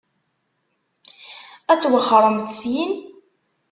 Ad twexxṛemt syin?